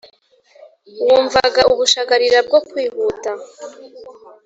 wumvaga ubushagarira bwo kwihuta